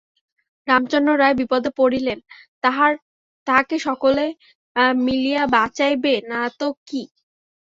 রামচন্দ্র রায় বিপদে পড়িলে তাঁহাকে সকলে মিলিয়া বাঁচাইবে না তো কি!